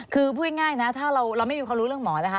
คือพูดง่ายนะถ้าเราไม่มีความรู้เรื่องหมอนะคะ